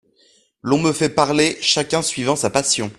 L'on me fait parler chacun suivant sa passion.